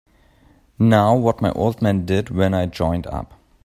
Know what my old man did when I joined up?